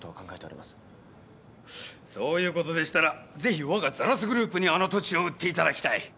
そういうことでしたらぜひわがザラスグループにあの土地を売っていただきたい。